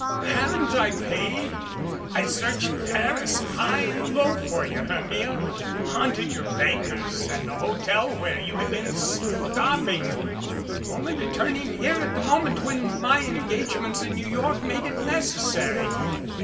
Haven't I paid? I searched Paris high and low for you, Hermia, haunted your bank ers and the hotel where you had been stopping, only re turning here at the moment when my engagements in New York made it necessary.